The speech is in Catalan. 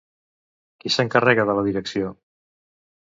Qui s'encarrega de la direcció?